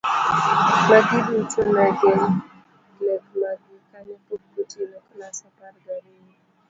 Magi duto ne gin lek mag gi kane pok gitieko klas apar gariyo.